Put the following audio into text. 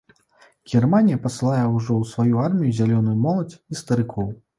Германія пасылае ўжо ў сваю армію зялёную моладзь і старыкоў.